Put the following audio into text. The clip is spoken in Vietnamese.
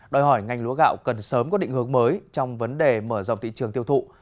đòi hỏi ngành lúa gạo cần sớm có định hướng mới trong vấn đề mở rộng thị trường tiêu thụ